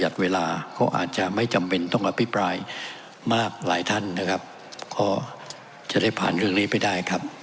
ท่านนะครับก็จะได้ผ่านเรื่องนี้ไปได้ครับ